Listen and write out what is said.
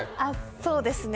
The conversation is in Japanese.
そうですね